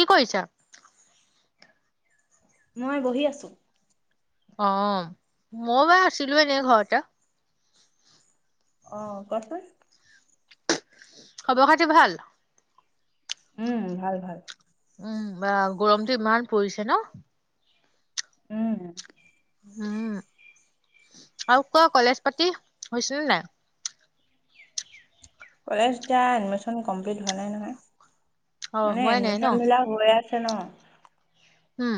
কি কৰিছা? মই বহি আছো। অ' মই বা আছিলো এনেয়ে ঘৰতে। অ', কোৱাচোন খবৰ খাতি ভাল? উম ভাল ভাল। উম ভাল গৰমটো ইমান পৰিছে ন'? উম উম আৰু কোৱা কলেজ পাতি হৈছেনে নাই? কলেজ এতিয়া এডমিশ্বন কমপ্লিট হোৱা নাই নহয়। অ', মানে হোৱাই নাই ন? এডমিশ্বন বিলাক হৈ আছ। তে ন' হুম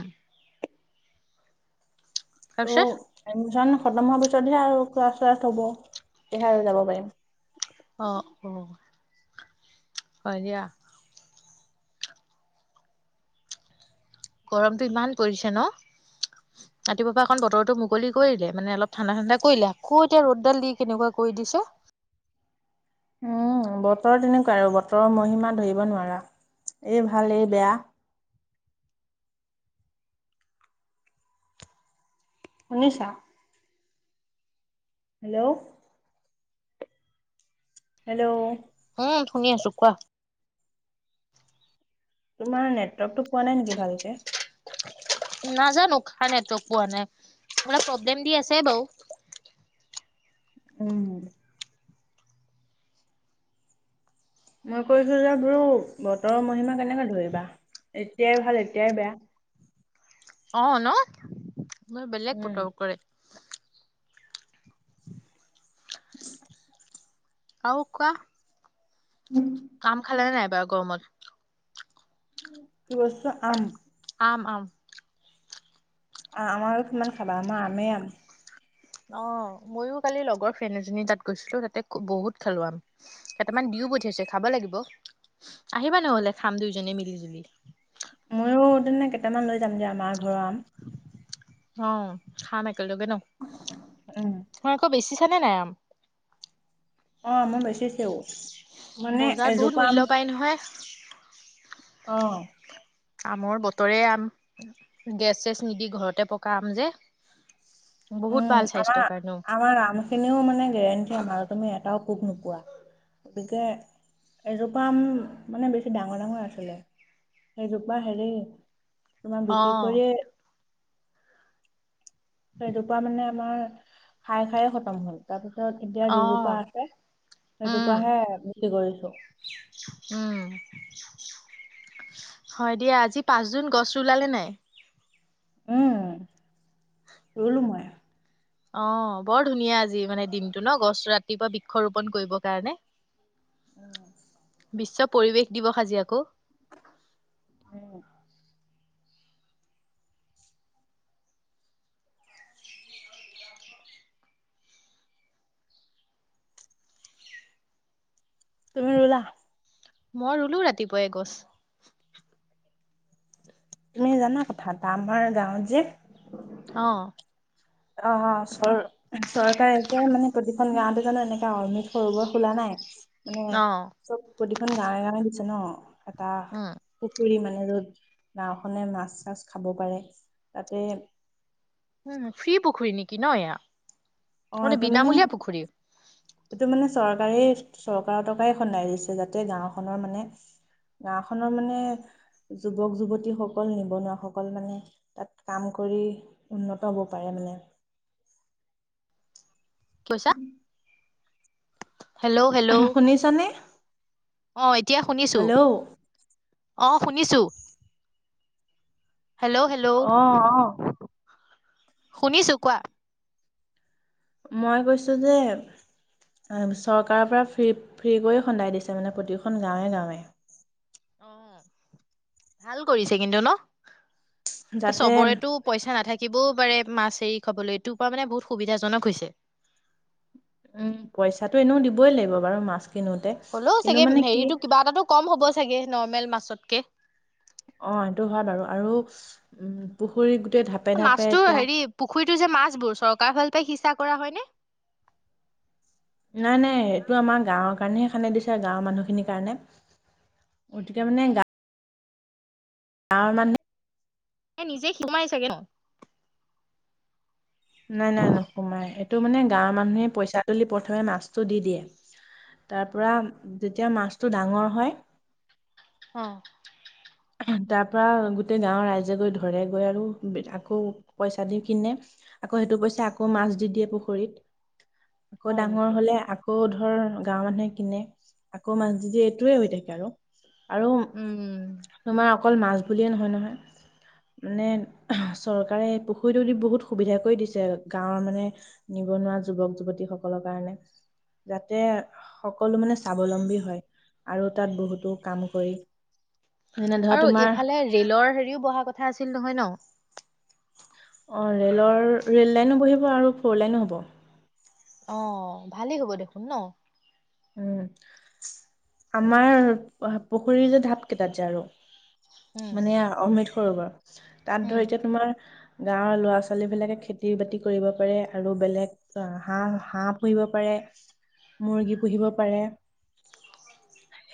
তাৰপিছত অ' জানো খতম হোৱাৰ পিছতহে আৰু ক্লাছ-স্লাচ হ'ব [unintelligible] আৰু যাব পাৰিম অ', অ', হয় দিয়া। গৰমতটো ইমান পৰিছে ন' ৰাতিপুৱাৰ পৰা অকণ বতৰটো মুকলি কৰিলে মানে অলপ ঠাণ্ডা ঠাণ্ডা কৰিলে আকৌ এতিয়া ৰ'দডাল দি কেনেকুৱা কৰি দিছে। উম বতৰ তেনেকুৱাই আৰু বতৰৰ মহিমা ধৰিব নোৱাৰা এই ভাল এই বেয়া। শুনিছা হেল্ল' হেল্ল' উম শুনি আছো কোৱা তোমাৰ নেটৱৰ্কটো পোৱা নাই নেকি ভালকে! নাজানো সেইকাৰনে তুক পোৱা নাই। অলপ প্ৰ'ব্লেম দি আছে বাৰু। উম মই কৈছো যে বোলো বতৰৰ মহিমা কেনেকে ধৰিবা এতিয়াই ভাল এতিয়াই বেয়া। অ' ন? মই বেলেগ উম। পুতৌ কৰে। [unintelligible] আৰু কোৱা? কি কাম খালেনে নাই? বা গৰমত কি বস্তু, আম? আম আম আ - আম আৰু কিমান খাবা, আমাৰ আমেই আম। অ' ময়ো কালি লগৰ ফ্ৰেণ্ড এজনীৰ তাত গৈছিলো, তাতে খু - বহুত খালো আম। কেটামান দিও পঠিয়াইছে, খাব লাগিব। আহিবা নহ'লে খাম দুইজনে মিলি জুলি। ময়ো তেনে কেইটামান লৈ যাম দিয়া [unintelligible] ঘৰৰ আম। অ' খামে কেলগে ন? উম মই আকৌ [unintelligible] [unintelligible] নে নাই আম? অ' মই বে উঠিছেও। মানে বজাৰত বহুত এজোপা আম মূল্য পায় নহয়। [inaudible] অঁ। আমৰ বতৰে আম। গেছ চেছ নিদি ঘৰতে পকা আম যে। বহুত উম, ভাল আমাৰ স্বাস্থ্যৰ কাৰণেও। - আমাৰ আম খিনিও মানে গেৰেণ্টি আম আৰু। তুমি এটাও পোক নোপোৱা। গতিকে এজোপা আম মানে বেছি ডাঙৰ ডাঙৰ আছিলে, সেইজোপা হেৰি তোমাৰ অ বিক্ৰী কৰিয়ে সেইজোপা মানে আমাৰ খাই খায়ে খতম হ'ল। তাৰ পিছ ছত এতিয়া অ যিজোপা আছে, উম সেইজোপাহে বিক্ৰী কৰিছো। উম হয় দিয়া আজি পাঁচজুন। গছ ৰুলালে নাই? উম, ৰুলো মই। অ', বৰ ধুনীয়া আজি মানে দিনটো ন? গছ - ৰাতিপুৱা বিক্ষ ৰোপন কৰিব কাৰণে। উম। বিশ্ব পৰিৱেশ দিৱস আজি আকৌ। [unintelligible] তুমি ৰুলা? মই ৰুলো ৰাতিপুৱাই গছ। তুমি জানা কথা এটা? আমাৰ গাঁৱত যে অঁ। অ'হ, চৰ - চৰকাৰে যে মানে প্ৰতি খন গাঁৱতে জানো এনেকা [unintelligible] খোলা নাই? [unintelligible] অ' চব প্ৰতিখন গাঁৱে গাঁৱে [unintelligible] [unintelligible] জ ন উম। কুকুৰী মানে ৰ'দ নাওখনে মাছ চাছ খাব পাৰে তাতে উম ফ্ৰী পুখুৰী নেকি। কিন এয়া মানে বিনামূলীয়া পুখুৰী। সেইটো মানে চৰকাৰেই চৰকাৰৰ টকাই খন্দাই দিছে যাতে গাওখনৰ মানে গাওখনৰ মানে যুৱক যুৱতীসকল নিবনুৱাসকল মানে তাত কাম কৰি উন্নত হব পাৰে মানে। কি কৈছা? Hello hello. শুনিছ নে? অ। এতিয়া শুনিছো আহ শুনিছো। হেল্ল' হেল্ল' আহ আহ শুনিছো কোৱা। মই কৈছো যে চৰকাৰৰ পৰা ফ্ৰী ফ্ৰী কৰি খন্দাই দিছে মানে প্ৰতিখন গাঁৱে গাঁৱে। আহ ভাল কৰিছে কিন্তু ন। ত যাতে চবৰেটো পইচা নাথাকিব এক পাৰে মাছ এৰি খাবলৈ এতোৰ পৰা মানে বহুত সুবিধাজনক হৈছে উম পইচাটো এনেও দিবই লাগিব বাৰু মাছ কিনোতে হ'লেও কিন্তু চাগে মানে কি হেৰিতো কিবা এটাটো কম হ'ব। ছাগে নৰ্মেল মাছতকে অ সেইটো হয় বাৰু আৰু উম। পুখুৰী গোটেই ধাপে ধাপে মাছতো এতিয়া হেৰি পুখুৰীতো যে মাছ বোৰ চৰকাৰ ফালে সিঁচা কৰা হয়নে? নাই নাই এইটো আমাৰ গাঁৱৰ কাৰণেহে খানে দিছে গাঁৱৰ মানুহখিনিৰ কাৰণে গতিকে মানে গা গাঁওৰ মানে এ নিজে সিমাই চাগে ন নাই নাই নসোমাই এইটো মানে গাঁৱৰ মানুহে পইচা তুলি প্ৰথমে মাছটো দি দিয়ে তাৰ পৰা যেতিয়া মাছটো ডাঙৰ হয় আহ। তাৰ পৰা গোটেই গাঁৱৰ ৰাইজে গৈ ধৰে গৈ আৰু আকৌ পইচা দি কিনে আকৌ সেইটো পইচা আকৌ মাছ দি দিয়ে পুখুৰীত। আকৌ হয় ডাঙৰ নেকি? হলে আকৌ আকৌ ধৰ গাঁৱৰ মানুহে কিনে আকৌ মাছ যদি এইটোৱে হৈ থাকে আৰু উম আৰু তোমাৰ অকল মাছ বুলিয়ে নহয় নহয় মানে চৰকাৰে পুখুৰীটো দি বহুত সুবিধা কৰি দিছে গাঁৱৰ মানে নিবনুৱা যুৱক যুৱতী সকলৰ কাৰণে যাতে সকলো মানে স্বাৱলম্বী হয় আৰু তাত বহুতো কাম কৰি যেনে ধৰা আৰু তোমাৰ এইফালে ৰেলৰ হেৰিও বহা কথা আছিল নহয় ন। অ ৰেলৰ ৰে'ল লাইনো বহিব আৰু ফ'ৰ লাইনো হ'ব। অ', ভালেই হ'ব দেখোন ন? উম। আমাৰ [unintelligible] পুখুৰীৰ যে ঢাপ কেইটাত যে আৰু উম মানে অমৃত সৰোবৰ। তাত ধৰি উম এতিয়া তোমাৰ গাঁৱৰ ল'ৰা ছোৱালী বিলাকে খেতি বাতি কৰিব পাৰে আৰু বেলেগ হাঁহ - হাঁহ পুহিব পাৰে, মুৰ্গী পুহিব পাৰে।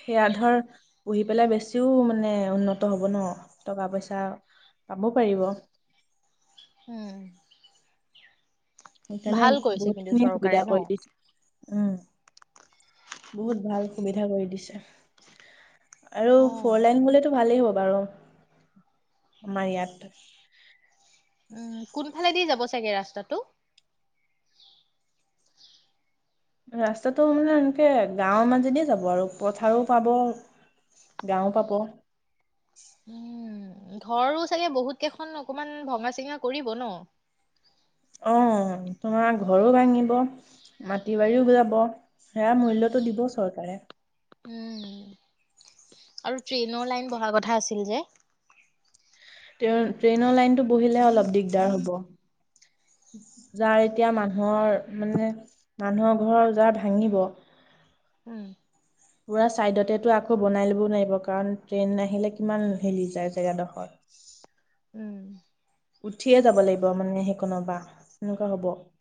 সেয়া ধৰ পুহি পেলাই বেছিও মানে উন্নত হ'ব ন? টকা পইচা পাব পাৰিব। হঁম সেইকাৰণে বহুত কিন্তু খিনিয়ে সুবিধা চৰকাৰে ন? কৰি দিছে, উম বহুত ভাল সুবিধা কৰি দিছে। আৰু অ ফৰ লাইন হলেতো ভালেই হ'ব বাৰু, আমাৰ ইয়াত উম, কোনফালেদি যাব চাগে ৰাস্তাটো? ৰাস্তাটো মানে এনেকে গাঁওৰ মাজেদি যাব আৰু পথাৰো পাব, গাঁও পাব উম ঘৰো চাগে বহুত কেইখন অকমান ভঙা চিঙা কৰিব ন? অঁ তোমাৰ ঘৰো ভাঙিব, মাটি বাৰীও যাব,। সেয়া মূল্যটো‌ দিব চৰকাৰে উম, আৰু ট্ৰেইনৰ লাইন বহাৰ কথা আছিল যে ট্ৰে-ট্ৰেইনৰ লাইনতটো বহিলে অলপ দিগদাৰ হব, যাৰ এতিয়া মানুহৰ মানে মানুহৰ ঘৰৰ ওজাৰ ভাঙিব উম পুৰা চাইডতেতো আকৌ বনাই ল'বও নোৱাৰিব কাৰণ ট্ৰেইন আহিলে কিমান হেলি যায় জেগাডখৰ। উম উঠিয়ে যাব লাগিব মানে স কোনবা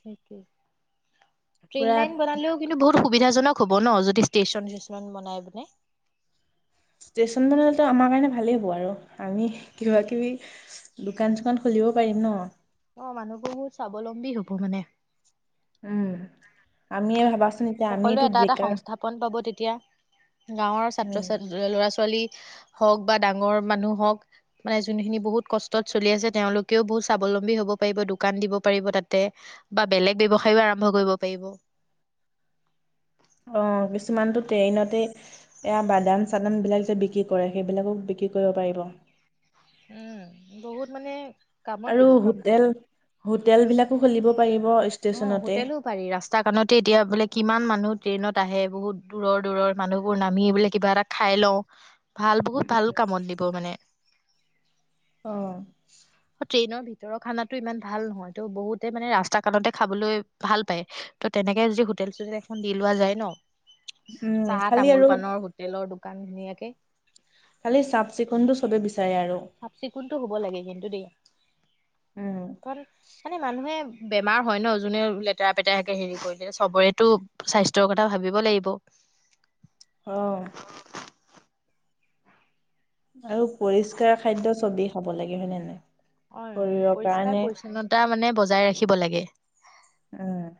সেইে ট্ৰেইন পুৰা লাইন বনালেও কিন্তু বহুত সো সুবিধাজনক হ'ব ন, যদি ষ্টেচন চন বনাই দিলে ষ্টেচন বনালেতো আমাৰ কাৰণে ভালেই হ'ব আৰু, আমি কিবা কিবি দোকান চোকান খুলিব পাৰিম ন। অ মানুহবোৰ বহুত স্বাৱলম্বী হব মানে উম, আমিয়ে ভাবা সকলোৱে এটা এটা সংস্থাপন পাব তেতিয়া গাঁৱৰ ছাত্ৰ উম ছাত ল-ল'ৰা ছোৱালী ছোৱালী হওক বা ডাঙৰ মানুহ হওক মানে যোনখিনি বহুত কষ্টত চলি আছে তেওঁলোকেও বহুত স্বাৱলম্বী হব পাৰিব, দোকান দিব পাৰিব তাতে বা বেলেগ ব্যবসায় আৰম্ভ কৰিব পাৰিব। অ কিছুমানতটো ট্ৰেইনতে এয়া বাদাম চাদাম বিলাক যে বিক্ৰী কৰে, সেইবিলাকো বিক্ৰী কৰিব পাৰিব। উম, বহুত মানে কামত আৰু দিব কামটো হোটেল, হোটেল বিলাকো খুলিব পাৰিব অঁ ষ্টেচনতে। হোটেলো পাৰি ৰাস্তা কনতে এতিয়া বোলে কি ইমান মানুহ ট্ৰেইনত আহে বহুত দূৰৰ দূৰৰ মানুহবোৰ নামি এই বোলে কিবা এটা খাই লওঁ। ভাল, বহুত ভাল কামত দিব মানে। অঁ ট্ৰেইনৰ ভিতৰৰ খানাতো ইমান ভাল নহয় তো বহুতে মানে ৰাস্তা দোকানতে খাবলৈ ভাল পায় ত', তেনেকে যদি হোটেল চোটেল এখন দি লোৱা যায় ন। উম চাহ খালি আৰু তামোল পাণৰ হোটেলৰ দোকান। কাৰ হুি আক [unintelligible] [inaudible] খালি চাফ-চিকুণটো চবেই বিচাৰে আৰু। উম। ঘ মানে মানুহে [unintelligible] [inaudible] বেমাৰ হয় ন? জোনে-লেতেৰা পেতেৰাকে হেৰি কৰিলে, চবৰেতো স্বাস্থ্যৰ কথা ভাবিব লাগিব। অহ' আৰু পৰিষ্কাৰ খাদ্য চবেই খাব লাগে, হয় নে নাই? হয়। শৰীৰৰ পৰিষ্কাৰ কাৰণে পৰিছন্নতা মানে বজাই ৰাখিব- ৰাখিব লাগে। উম'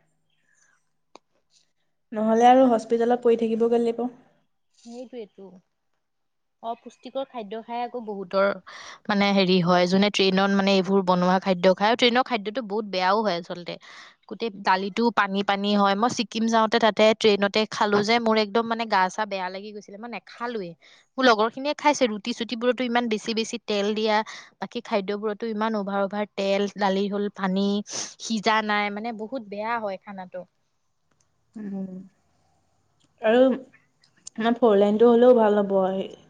নহ'লে আৰু হস্পিতেলত পৰি থাকিবগে লাগিব। সেইটোৱেটো। অপুষ্টিকৰ খাদ্য খাই আকৌ বহুতৰ- মানে হেৰি হয়- যোনে ট্ৰেইনত, মানে এইবোৰ বনোৱা খাদ্য খাই। আৰু ট্ৰেইনৰ খাদ্যটো বহুত বেয়াও হয় আচলতে, গোটেই দালিটো পানী পানী হয়। মই ছিক্কিম যাওঁতে তাতে ট্ৰেইনতে খালোঁ যে, মোৰ একদম- মানে গা বেয়া লাগি গৈছিলে, মই নেখালোৱে। মোৰ লগৰ খিনিয়ে খাইছে। ৰুটী চুটিবোৰতো ইমান বেছি-বেছি তেল দিয়া। বাকী খাদ্যবোৰতো ইমান অভাৰ-অভাৰ তেল। দালি হ'ল পানী, সিজা নাই। মানে বহুত বেয়া হয় খানাটো। উম' আৰু আমাৰ ফ'ৰ লাইনতটো হ'লেও ভাল হ'ব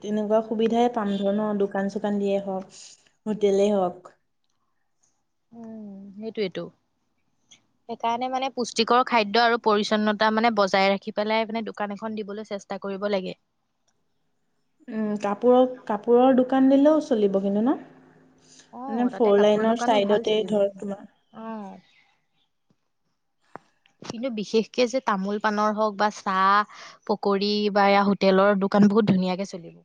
তেনেকুৱা সুবিধাই পাম ন? দোকান- চোকান দিয়েই হওক, হোটেলেই হওক। উম', সেইটোৱেইটো। সেইকাৰণে-মানে, পুষ্টিকৰ খাদ্য আৰু পৰিচ্ছন্নতা মানে বজাই ৰাখি পেলাই- মানে, দোকান এখন দিবলৈ চেষ্টা কৰিব লাগে। উম', কাপোৰৰ কাপোৰৰ দোকান দিলেও চলিব কিন্তু ন? মানে অহ', তাতে ফ'ৰ কাপোৰৰ লাইনৰ দোকানো ভাল চাইডতে চলিব ধৰ তোমাৰ অহ'। কিন্তু বিশেষকে যে তামোল-পাণৰ হওক, বা- চাহ পকৰী বা হোটেলৰ দোকান-বহুত ধুনীয়াকে চলিব।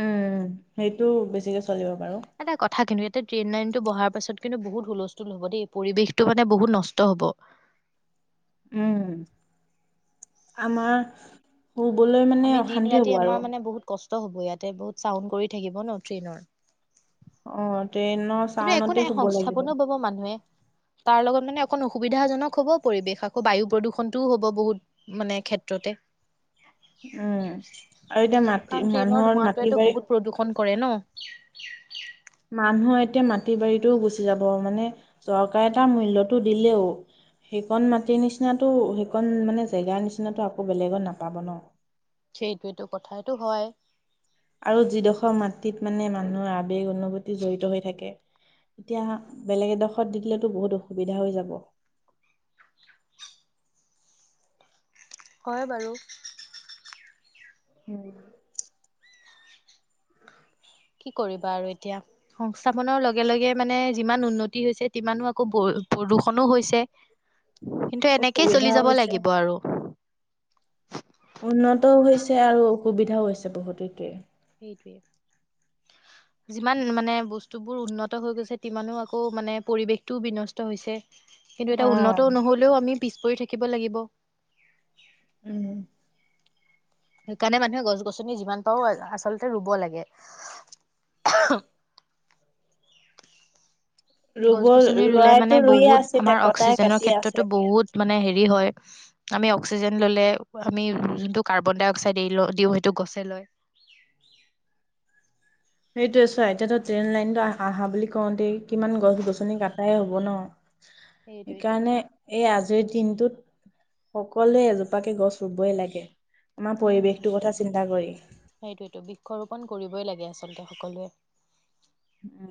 উম', সেইটো বেছিকে চলিব পাৰোঁ। এটা কথা কিন্তু এতিয়া ট্ৰেইন লাইনটো বহাৰ পাচত কিন্তু বহুত হুলস্থুল হ'ব দেই! পৰিবেশতটো মানে-বহুত নষ্ট হ'ব। উম', আমাৰ শুবলৈ মানে-অশান্তি হ'ব আৰু। হ'বয়ে ইয়াতে বহুত চাউণ্ড কৰি থাকিব ন- ট্ৰেইনৰ। অ' ট্ৰেইনৰ কিন্তু একো চাউণ্ডতে নাই, শুব লাগিব। সংস্থাপনও পাব মানুহে তাৰ লগত। মানে অকণ অসুবিধাজনক হ'ব পৰিৱেশ। আকৌ বায়ু প্ৰদূষণটোও হ'ব-বহুত মানে ক্ষেত্ৰতে। উম', আৰু এতিয়া কাৰণ মাটি, ট্ৰেইনৰ মানুহৰ ধোঁৱাটোৱেতো মাটি-বাৰী। বহুত প্ৰদূষণ কৰে ন মানুহৰ এতিয়া মাটি-বাৰীটোও গুচি যাব। মানে, চৰকাৰে তাৰ মূল্যটো দিলেও-সেইকণ মাটিৰ নিচিনাতো, সেইকণ মানে জেগাৰ নিচিনাতো আকৌ বেলেগত নাপাব, ন? সেইটোৱেটো কথাটো হয়। আৰু যিডোখৰ মাটিত- মানে, মানুহৰ আৱেগ- অনুভূতি জড়িত হৈ থাকে, এতিয়া বেলেগ এডোখৰত দি দিলেতো বহুত অসুবিধা হৈ যাব। হয় বাৰু। উম [unintelligible] [inaudible] কি কৰিবা আৰু! এতিয়া সংস্থাপনৰ লগে লগে- মানে, যিমান উন্নতি হৈছে, সিমানো আকৌ প্ৰদূষনো হৈছে। কিন্তু এনেকেই চলি অসুবিধাও যাব হৈছে লাগিব আৰু। উন্নতও হৈছে, আৰু অসুবিধাও হৈছে বহুতকে। যিমান মানে বস্তুবোৰ উন্নত হৈ গৈছে, সিমানো আকৌ মানে পৰিৱেশটোও বিনষ্ট হৈছে। কিন্তু এটা অ', উন্নত নহ'লেও আমি। পিছ পৰি থাকিব লাগিব। উম সেইকাৰণে মানুহে গছ গছনি যিমান পাৰও আচলতে ৰুব লাগে। ৰুব গছ গছনি ৰুলে ৰোৱাইতো মানে ৰুইয়ে বহুত, আছে এতিয়া আমাৰ কটাই অক্সিজেনৰ কাটি আছে। ক্ষেত্ৰতো বহুত মানে হেৰি হয়, আমি অক্সিজেন ললে আমি যোনটো কাৰ্বন ডাই অক্সাইড এ ল দিও সেইটো গছে লয় সেইটোয়ে চোৱা, এতিয়াতো ট্ৰেইন লাইনতটো আহা হা বুলি কওঁতেই কিমান গছ গছনি কটায়ে হ'ব ন। সেইটোৱেইটো সেইকাৰণে, এই আজি আজিৰ দিনটোত সকলোৱে এজোপাকে গছ চুবই লাগে আমাৰ উম পৰিৱেশটোৰ কথা চিন্তা কৰি আন্ত সকলোৱে উম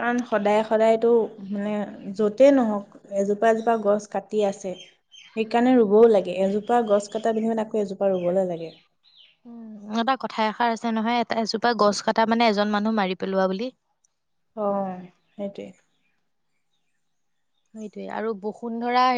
কাৰণ সদায় সদায়তো মানে য'তেই নহওক এজোপা এজোপা গছ কাটি আছে সেইকাৰণে ৰুবও লাগে এযো এোপা গছ কটা বিনিময়ত মানে আকৌ এোাজোপা ৰুবলৈ লাগে উ এটা কথা এষাৰ আছে নহয় এটা এজোপা গছ কটা মানে এজন মানুহ মাৰি পেলোৱা বুলি অ সেইটোৱে সেইটোয়ে আৰু বসুন্ধৰা